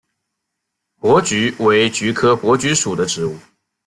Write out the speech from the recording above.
珀菊为菊科珀菊属的植物。